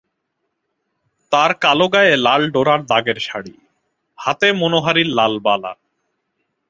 তার কালো গায়ে লাল ডোরা দাগের শাড়ি, হাতে মনোহারির লাল বালা।